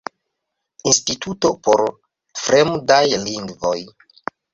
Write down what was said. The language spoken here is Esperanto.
Instituto por fremdaj lingvoj.